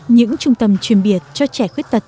những trung tâm truyền biệt cho trẻ khuyết tật